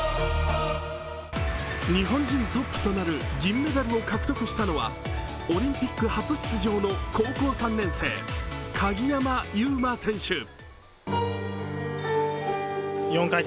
日本人トップとなる銀メダルを獲得したのはオリンピック初出場の高校３年生鍵山優真選手。